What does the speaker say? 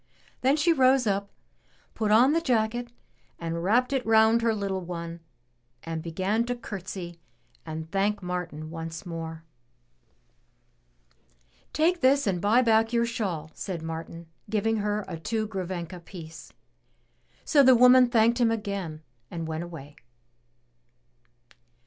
Then she rose up, put on the jacket, and wrapped it round her little one, and began to curtsy and thank Martin once more. 200 THE TREASURE CHEST "Take this and buy back your shawl," said Martin, giving her a two grivenka piece. So the woman thanked him again and went away.